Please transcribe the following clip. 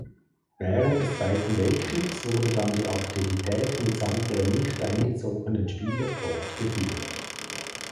Während des Zweiten Weltkriegs wurde dann die Aktivität mitsamt der nicht eingezogenen Spieler fortgeführt.